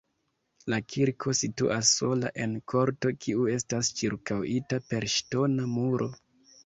La kirko situas sola en korto, kiu estas ĉirkaŭita per ŝtona muro.